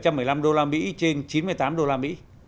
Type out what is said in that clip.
bảy trăm một mươi năm usd trên chín mươi tám usd